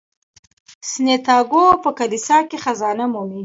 سانتیاګو په کلیسا کې خزانه مومي.